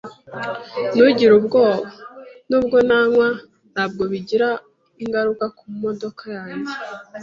Ntugire ubwoba! Nubwo nanywa, ntabwo bigira ingaruka kumodoka yanjye.